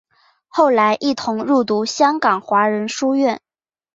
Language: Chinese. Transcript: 后来一同入读香港华仁书院。